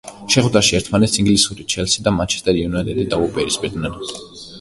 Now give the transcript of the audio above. შეხვედრაში ერთმანეთს ინგლისური ჩელსი და მანჩესტერ იუნაიტედი დაუპირისპირდნენ.